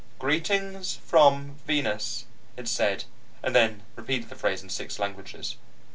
"Greetings from Venus," it said, and then repeated the phrase in six languages.